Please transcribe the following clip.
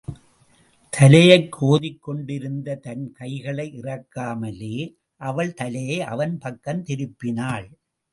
தலையைக் கோதிக் கொண்டிருந்த தன் கைகளை இறக்காமலே, அவள் தலையை அவன் பக்கம் திருப்பினாள்.